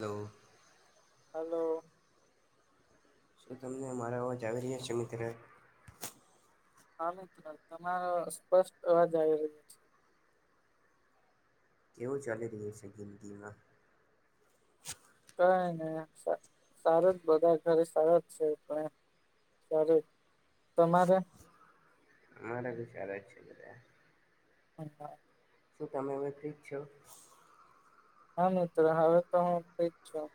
Hello hello શું તમને મારા અવાજ આવી રહ્યા છે? મિત્ર હા મિત્ર તમારો સ્પષ્ટ અવાજ આવી રહ્યો છે. કેવુ ચાલી રહ્યુ છે જિંદગીમાં કઈ ને સારા જ બધા ઘરે સારા જ છે પણ સ તમારે? [unintelligible] [inaudible] શું તમે હવે ઠીક છો? હા મિત્ર હવે તો હું ઠીક છું.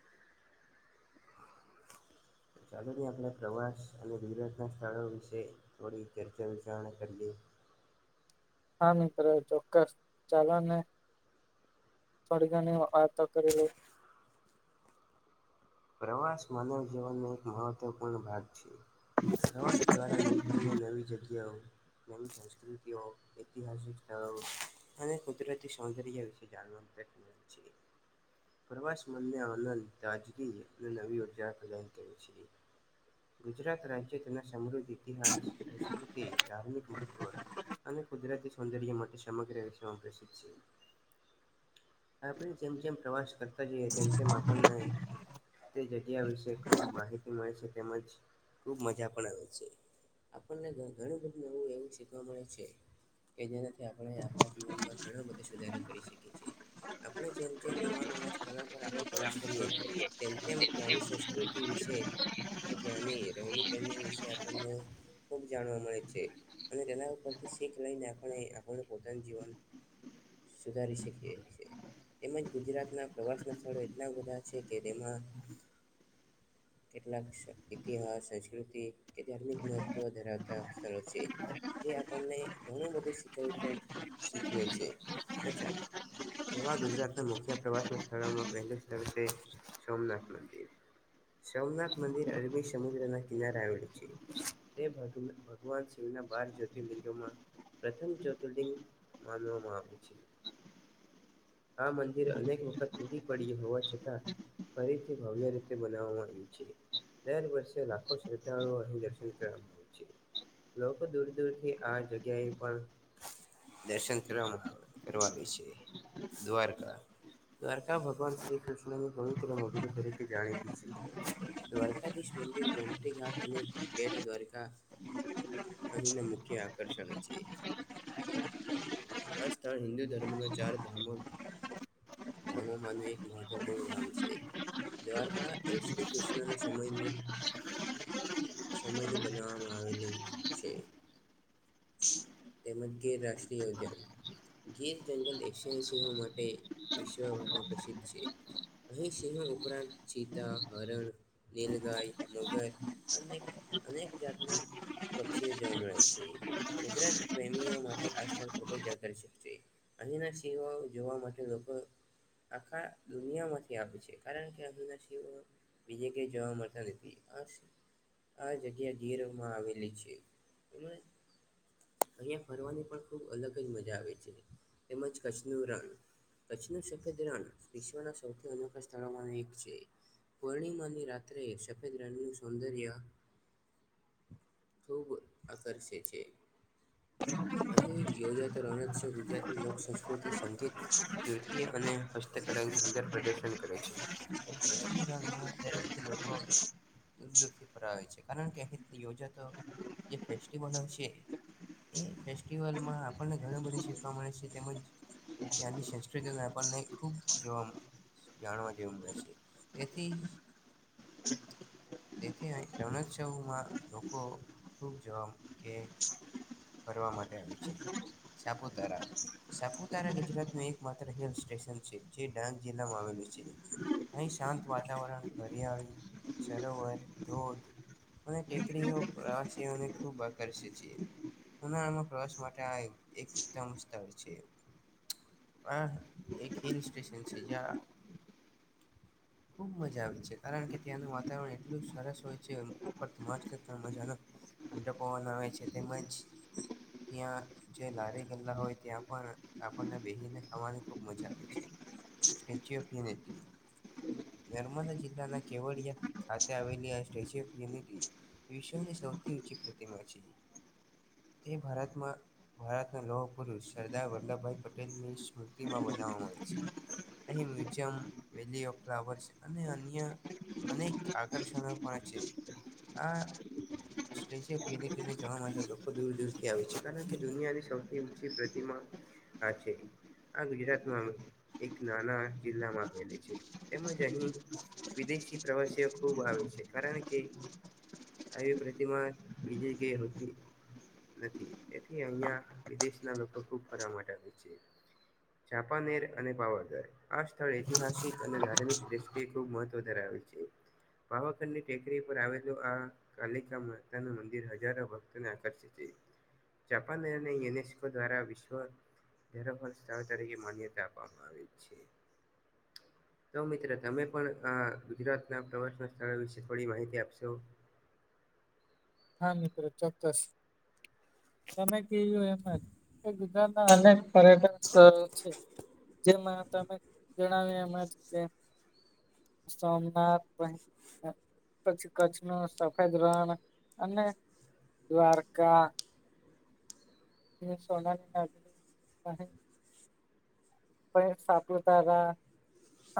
[inaudible] ચાલુને આપણે પ્રવાસ અને ગુજરાતના સ્થળો વિશે થોડી ચર્ચા વિચારણા કરીએ. હા મિત્ર ચોક્કસ ચાલોને [unintelligible] પ્રવાસ માનવ જીવનનો એક મહત્વપૂર્ણ ભાગ છે. પ્રવાસ દ્વારા વ્યક્તિને નવી જગ્યાઓ નવી સંસ્કૃતિઓ, ઐતિહાસિક સ્થળો અને કુદરતી સૌંદર્ય વિશે જાણવા મળે છે. પ્રવાસ મનને આનંદ તાજગીની અને નવી ઉર્જા પ્રદાન કરે છે. ગુજરાત રાજ્ય તેમના સમૃદ્ધ ઇતિહાસ સંસ્કૃતિ, ધાર્મિક મહત્ત્વ અને કુદરાતી સૌંદર્ય માટે સમગ્ર વિશ્વમાં પ્રસિદ્ધ છે. આપણે જેમ જેમ પ્રવાસ કરતા જઈએ તેમ તેમ આપણને તે જગ્યા વિશે ખૂબ માહિતી મળે છે, તેમજ ખૂબ મજા પણ આવે છે. આપણને ઘણું બધું નવું એવું શીખવા મળે છે, કે જેને કે આપણે આપણા જીવનમાં ઘણા બધા સુધારો કરી શકીએ છીએ. આપણે જેમ જેમ નવા નવા સ્થળો પર આપણે પ્રવાસ કરીએ તેમ તેમ ત્યાંની સંસ્કૃતિ વિશે કે ત્યાંની રહેણી કહેણી વિશે આપણને ખૂબ જાણવા મળે છે, અને તેના ઉપરથી શીખ લઈને આપણે આપને પોતાનું જીવન સુધારી શકીએ છીએ તેમજ ગુજરાતના પ્રવાસના સ્થળો એટલા બધા છે. કે તેમાં [unintelligible] [unintelligible] કેટલાક ઇતિહાસ સંસ્કૃતિ કે ધાર્મિક મહત્વ ધરાવતા સ્થળો છે. જે આપણને ઘણું બધું શીખવું ત શીખવે છે, તથા તેવા ગુજરાતના મુખ્ય પ્રવાસના સ્થળોમાં પહેલું સ્થળ છે, સોમનાથ મંદિર. સોમનાથ મંદિર અરબી સમુદ્રના કિનારે આવેલું છે. તે ભગ ભગવાન શિવના બાર જ્યોતિર લિંગોમાં પ્રથમ જ્યોતિર્લિંગ માનવવામાંમા આવે છે. આ મંદિર અનેક વખત તૂટી પડ્યું હોવા છતાં ફરીથી ભવ્ય રીતે બનાવવામાં આવી છે. દર વર્ષે લાખો શ્રદ્ધાળુઓ અહીં દર્શન કરવા આવ છે. લોકો દૂર દૂર થી આ જગ્યાએ પણ દર્શન કરવાવા કરવા આવે છે. દ્વારકા, દ્વારકા ભગવાન શ્રી કૃષ્ણની પવિત્ર મદિરો તરીકે જાણીતી છે. દ્વારકાધીશ મંદિર ગોમટી ઘાટ અને બેટ દ્વારકા અહીંના મુખ્ય આકર્ષણ છે. આ સ્થળ હિન્દુ ધર્મના ચાર ધામો ધામોમાંનું એક મહત્વપૂર્ણ ધામ છે. દ્વારકા એ શ્રી કૃષ્ણના સમયની સમયની બનાવવામાં આવેલી છે. તેમજ ગીર રાષ્ટ્રીય ઉદ્યાન ગીર જંગલ એકસશ સીહો માટે વિશ્વભરમાં પ્રસિદ્ધ છે. અહીં સિંહો ઉપરાંત ચીતા, હરણ, નીલગાય, મગર, અનેક અનેક જાતના પક્ષીઓ જોવા મળે છે. ગુજરાત પ્રેમીઓ માટે આ સ્થળ ખૂબ જ આકર્ષક છે અહીંના સિહો જોવા માટે લોકો આખા દુનિયામાંથી આવે છે, કારણ કે અહીંના સિંહો બીજે કઈ જોવા મળતા નથી હ આ જગ્યા ગીરમાં આવેલી છે એમજ. અહિયા ફરવાની પણ ખુબ અલગ જ મજા આવે છે, તેમજ કચ્છ નુ રણ કચ્છનું સફેદ રણ વિશ્વના સૌથી અનોખા સ્થળોમાં એક છે. પૂર્ણિમાની રાત્રે સફેદ રંગનું સૌંદર્ય ખૂબ આકર્ષે છે. અહીં યોજાય તો રણોત્સવ ગુજરાતની લોકસંસ્કૃતિ છે. સંગીત નૃત્ય અને હસ્તકલાનું સુંદર પ્રદર્શન કરે છે. કચ્છ ના રણમાં દર વખતે લોકો દૂર દૂરથી ફરાવે છે, કારણ કે અહ તી યોજાતો જે ફેસ્ટિવલો છે. એ ફેસ્ટિવલમાં આપણને ઘણું બધું શીખવા મળે છે, તેમજ ત્યાંની સંસ્કૃતિ આપણને ખૂબ જોવામ જાણવા જેવું મળે છે, તેથી તેથી અહીં રવણોત્સવમાં લોકો ખુબ જવા કે. ફરવા માટે આવે છે સાપુતારા સાપુતારા ગુજરાતનું એકમાત્ર હિલ સ્ટેશન છે જે ડાંગ જિલ્લામાં આવેલું છે. અ શાંત વાતાવરણ હરિયાળી સરોવર ધોધ અને ટેકરીઓ પ્રવાસીઓ ને ખૂબ આકર્ષે છે. ઉનાળામાં પ્રવાસ માટે આ એક ઉત્તમ સ્થળ છે. હ એક હિલ સ્ટેશન છે જ્યા [inaudible] ખૂબ મજા આવે છે કારણ કે ત્યાંનું વાતાવરણ એટલું જ સરસ હોય છે. મસ્ત મજાનો ઠંડો આવે છે તેમજ ત્યાં જે લારી ગલ્લા હોય ત્યાં પણ આપણને બેસીને ખાવાની ખુબ મજા આવે છે. સ્ટેચ્યુ ઓફ યુનિટી નર્મદા જિલ્લાના કેવડયા ખાતે આવેલી આ સ્ટેચ્યુ ઓફ યુનિટી વિશ્વની સૌથી ઊંચી પ્રતિમા છે. તે ભારતમાં ભારત ન લોહ પુરુષ સરદાર વલ્લભભાઈ પટેલ ની સ્મૃતિમાં બનાવવામાં આવે છે. અહી મ્યુઝિયમ, વેલી ઓફ ફ્લાવર્સ અને અન્ય અ અનેક આકર્ષણ પણ છે. આ સ્ટેટ્યુ ઓફ યુનિટ જવા માટે લોકો દૂર દૂરથી આવે છે કારણ કે દુનિયાની સૌથી ઊંચી પ્રતિમા હ છે આ ગુજરાતમાં એક નાના જિલ્લામાં આપલી છે. તેમજ અહીં વિદેશી પ્રવાસીઓ ખુબ આવે છે કારણ કે આવી પ્રતિમા બીજી કેતી નથી તેથી અહિયાં વિદેશના લોકો ખૂબ ફરા માટે આવે છે. ચાપાનેર અને પાવાગઢ આ સ્થળ ઐતિહાસિક અને ધાર્મિક દ એ ખુબ મહત્વ ધરાવે છે. પાવાગઢની ટેકરી પર આવેલું આ કાલિકા માતા ન મંદિર હજારો ભક્તોને આકર્ષિત જાપાન અને યુનેસ્કો દ્વારા વિશ્વ સ્થળ તરીકે માન્યતા આપવામાં આવે છે. [inaudible] તો મિત્ર તમે પણ આ ગુજરાતના પ્રવાસના સ્થળો વિશે થોડી માહિતી આપશો. હા મિત્રો ચોક્કસ. તમે કું એમાં ગુજરાતના અનેક પર્યટન સ્થળ છે. જેમાં તમે જણાવ્યું એમ કે સોમનાથ પ પછી, કચ્છ ન સફેદ રણ અને દ્વારકા એ સોનાની નગરી છે. પછી સાપુતારા,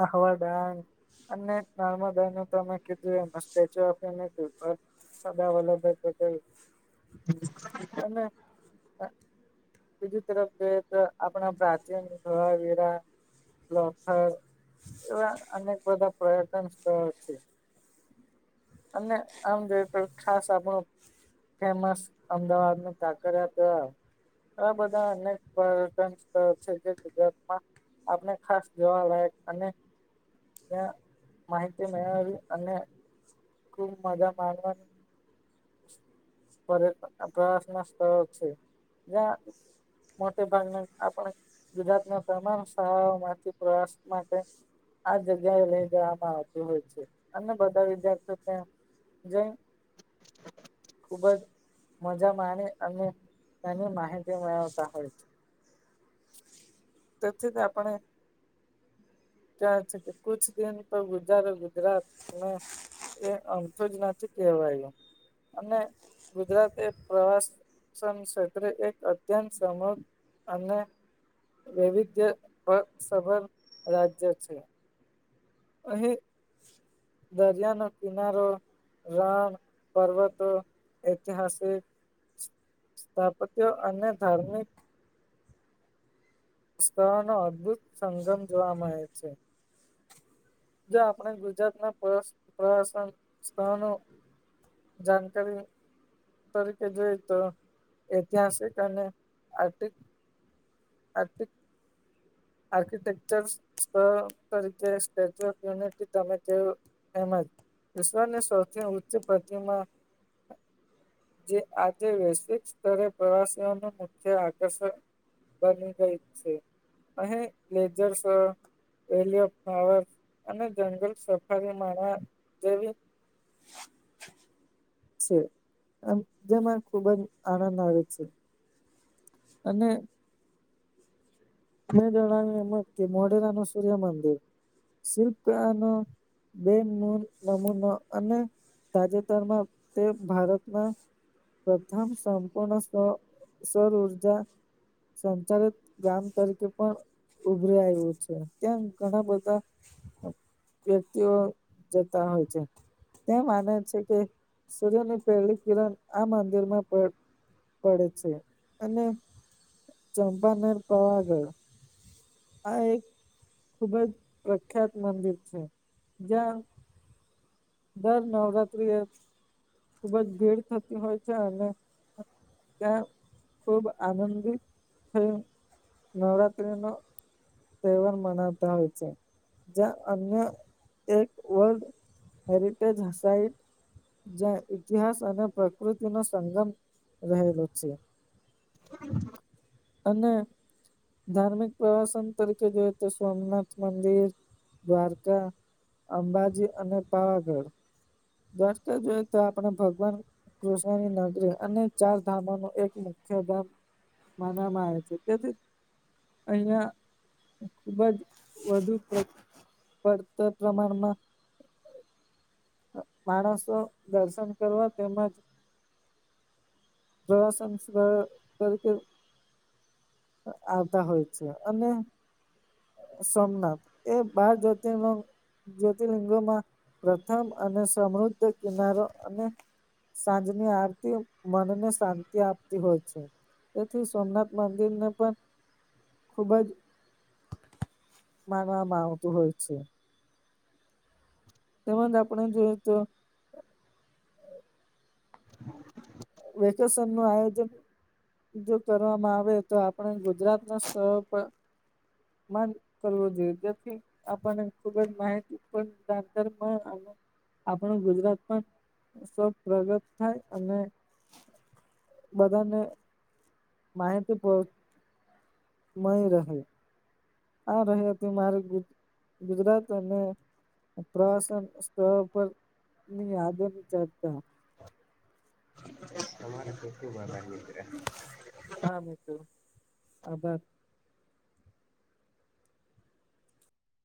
આહવા ડેન્ગ્યુ અને નર્મદાનું તમે કીધું એ statue of unity Sardar Vallabhbhai Patel અને બીજી તરફ જે એક આપણા પ્રાચીન શવાાવીરા લથર એવા અનેક બધા પર્યટન સ્થળો છે. અને આમ ખાસ આપણો ફેમસ અમદાવાદ ન કાકરિયા તળાવ આ બધા અનેક પર્યટન સ્થળ છે. ુ [unintelligible] આપને ખાસ જોવાલાયક અને માહિતી મેળવી અને ખૂબ મજા માનવાની પ્રય [unintelligible] પ્રયાસના સ્થળો છે જ્યાં મોટે ભાગના આપણે ગુજરાતના તમામ શાળાઓ માંથી પ્રવાસ માટે આ જગ્યા એ લઈ જવામાં આવતું હોય છે અને બધા વિધાર્ તો કઈ જંગ ખુબ જ મજા માણે અને તેની માહિતી મેળવતા હોય છે. તેથી તો આપણે ક્યાં છ. કુછ દિન તો ગુજારો ગુજરાત મેં! એ અમઠું જ નથી કહેવાયું અને ગુજરાત એ પ્રવાસ સનષેત્રે એક અત્યંત સમગ અને વૈવિધ્ય બળ સભર રાજ્ય છે. અહી, દરિયાનો કિનારો રણ, પર્વતો, ઐતિહાસિક સ્થાપત્ય અને ધાર્મિક સ્થળનો અદ્ભુત સંગમ જોવા મળે છે. જો આપણે ગુજરાતના પ્રવાસ. પ્રવાસન સ્થનો જાનકારી તરીકે જોઈ તો, ઐતિહાસિક અને આર્થિક આર્ટિક આર્કિટેકચરસ્ સ્થળ તરીકે સ્ટેચ્યુ ઓફ યુનિટી તમે કેવ તેમજ વિશ્વની સૌથી ઊંચી પ્રતિમા જે આજે વૈશ્વિક સ્તરે પ્રવાસીઓનું મુખ્ય આકર્ષણ બની ગઈ છે. અહીં લેઝર્સ શો વેલી ઓફ ભાવાર્થ અને જંગલ સફારી માણા જેવી છે. અન જેમાં ખુબ જ આનંદ આવે છે. અને મેં જણાવ્યું એમ જ કે મોઢેરાનુ સૂર્યમંદિર શિલ્પ કળાનો બે નૂન નમૂનો અને તાજેતરમાં તે ભારતના પ્રથમ સંપૂર્ણ સો સૌર ઊર્જા સંચાલિત ગામ તરીકે પણ ઉભરી આવું છે. ત્યાં ઘણા બધા વ્યક્તિઓ જતા હોય છે. તે માને છે કે સૂર્યની પહેલી કિરણ આ મંદિરમાં પડે છે. અને ચંપાનેર પાવાગઢ આ એક ખૂબ જ પ્રખ્યાત મંદિર છે. જ્યાં દર નવરાત્રિએ ખુબ જ ભીડ થતી હોય છે અને ત્યાં ખુબ આનંદિત થી નવરાત્રી નો તહેવાર મનાવતા હોય છે. જ અન્ય એક વર્લ્ડ હેરિટેજ હસાઇટ જ્યાં ઇતિહાસ અને પ્રકૃતિ નો સંગમ રહેલો છે. અને ધાર્મિક પ્રવાસન તરીકે જોઈ તો સોમનાથ મંદિર, દ્વારકા, અંબાજી અને પાવાગઢ દ્વારકા જોઈએ તો આપણે ભગવાન કૃષ્ણની નગરી અને ચાર ધામોનો એક મુખ્ય ધામ માનવમાં આવે છે. તેથી અહિયાં ખુબ જ વધુ પ્રક પડતર પ્રમાણમાં માણસો દર્શન કરવા તેમજ પ્રવાસન સ્ તરીકે આવતા હોય છે અને સોમનાથ એ બાર જ્યોતિ ન જ્યોતિર્લિંગોમાં પ્રથમ અને સમૃદ્ધ કિનારો અને સાંજની આરતી મને શાંતિ આપતી હોય છે તેથી સોમનાથ મંદિર ને પણ ખુબ જ, મારવામાં આવતું હોય છે. તેમજ આપણે જોયું તો વેકેશન નું આયોજન જો કરવામાં આવે તો આપણો ગુજરાત નો સ્થળ ઉપર માન કરવો જોઈયે જેથી આપણને ખુબ જ માહિતી પણ [unintelligible] આપણે ગુજરાત પણ સ પ્રગટ થાય અને, બધાને માહિતી [unintelligible] મળી રહે. આ રહી હતી મારે ગુજ, ગુજરાત અને પ્રવાસન સ્થળ પર ની યાદોની ચર્ચા. તમારે ખૂબ આભાર મિત્ર. હા મિત્ર, આભાર.